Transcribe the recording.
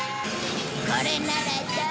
これならどう？